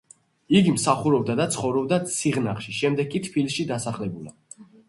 იგი მსახურობდა და ცხოვრობდა სიღნაღში, შემდეგ კი თბილისში დასახლებულა.